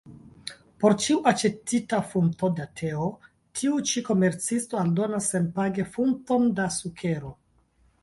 Por ĉiu aĉetita funto da teo tiu ĉi komercisto aldonas senpage funton da sukero.